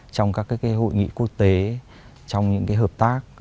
trong các hội nghị quốc tế trong những hợp tác